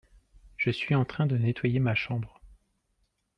Je suis en train de nettoyer ma chambre.